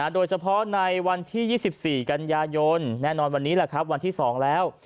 โดยเฉพาะในวันที่๒๔กันยายนแน่นอนวันนี้แหละครับวันที่๒แล้ว